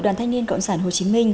đoàn thanh niên cộng sản hồ chí minh